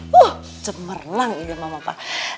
wuhh cemerlang ide mama pa